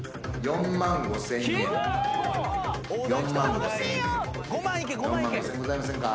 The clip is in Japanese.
４万５，０００円ございませんか？